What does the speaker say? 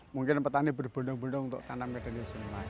mungkin petani berbondong bondong untuk tanamnya